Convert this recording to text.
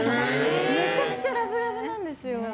めちゃくちゃラブラブなんですよ。